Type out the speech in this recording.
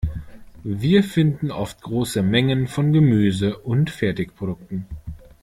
Wir finden oft große Mengen von Gemüse und Fertigprodukten.